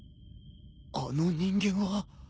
あの人間は。